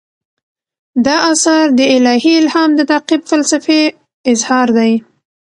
دا اثر د الهي الهام د تعقیب فلسفي اظهار دی.